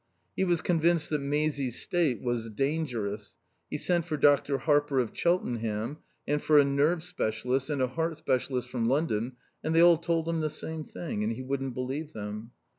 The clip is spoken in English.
He was convinced that Maisie's state was dangerous. He sent for Dr. Harper of Cheltenham and for a nerve specialist and a heart specialist from London and they all told him the same thing. And he wouldn't believe them.